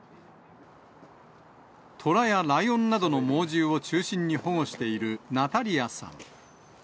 トラやライオンなどの猛獣を中心に保護しているナタリヤさん。